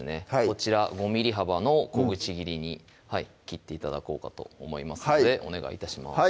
こちら５ｍｍ幅の小口切りに切って頂こうかと思いますのでお願い致します